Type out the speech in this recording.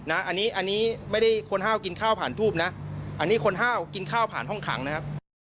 อันนี้ไม่ได้คนห้าวกินข้าวผ่านทูบนะอันนี้คนห้าวกินข้าวผ่านห้องขังนะครับ